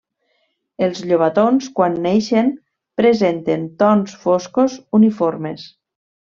Els llobatons quan neixen presenten tons foscos uniformes.